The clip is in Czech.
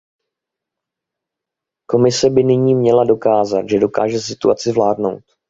Komise by nyní měla dokázat, že dokáže situaci zvládnout.